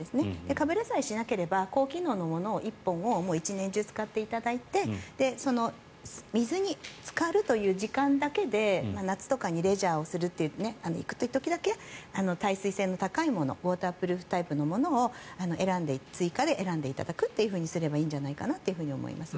かぶれさえしなければ高機能のもの１本を１年中使っていただいて水につかるという時間だけで夏とかにレジャーをするという時だけ耐水性の高いものウォータープルーフタイプのものを追加で選んでいただくというふうにすればいいんじゃないかと思います。